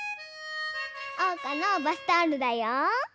おうかのバスタオルだよ。